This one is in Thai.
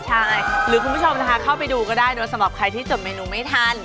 คุณผู้ชมค่ะเข้าไปดูก็ได้สำหรับใครที่จดเมนูไม่ทัน